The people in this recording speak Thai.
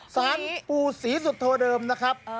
สารปู่ศรีสุโธเดิมนะครับ